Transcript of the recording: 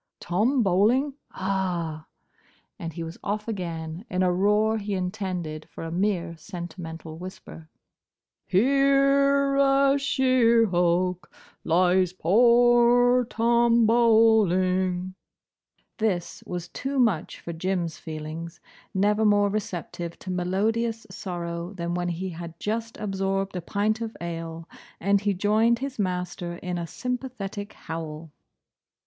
"Tom Bowling?—Ah!" and he was off again, in a roar he intended for a mere sentimental whisper "Here, a sheer hulk, lies poor Tom Bowling—" This was too much for Jim's feelings, never more receptive to melodious sorrow than when he had just absorbed a pint of ale, and he joined his master in a sympathetic howl.